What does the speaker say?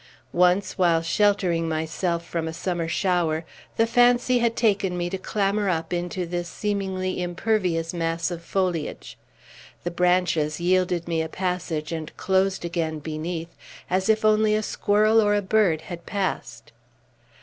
Once, while sheltering myself from a summer shower, the fancy had taken me to clamber up into this seemingly impervious mass of foliage. The branches yielded me a passage, and closed again beneath, as if only a squirrel or a bird had passed.